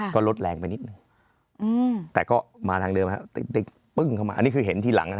ก็ลดแรงไปนิดนึง